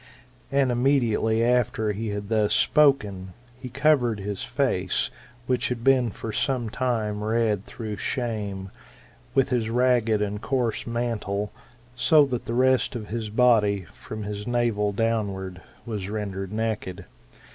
And immediately after he had thus spoken, he covered his face, which had been for some time red through shame, with his ragged and coarse mantle, so that the rest of his body, from his navel downward, was rendered naked.